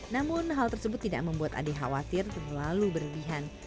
namun hal tersebut tidak membuat ade khawatir terlalu berlebihan